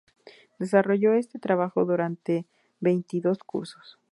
Desarrolló este trabajo durante veintidós cursos.